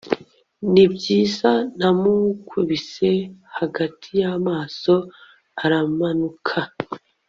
nibyiza, namukubise hagati y'amaso aramanuka